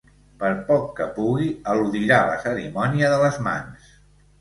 Per poc que pugui eludirà la cerimònia de les mans.